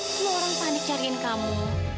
semua orang panik cari kamu